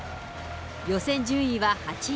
予選順位は８位。